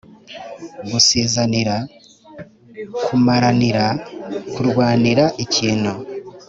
gusizanira: kumaranira, kurwanira ikintu